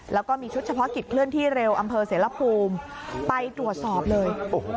แล้วก็มีชุดเฉพาะกิจเคลื่อนที่เร็วอำเภอเสรภูมิไปตรวจสอบเลย